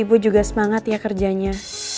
ibu juga semangat ya kerjanya